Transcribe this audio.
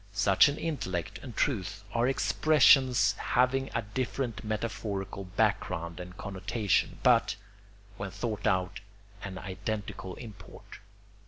Such an intellect and truth are expressions having a different metaphorical background and connotation, but, when thought out, an identical import.